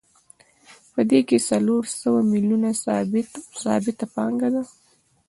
په دې کې څلور سوه میلیونه ثابته پانګه ده